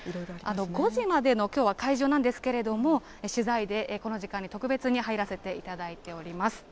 ５時までのきょうは開場なんですけれども、取材でこの時間に特別に入らせていただいております。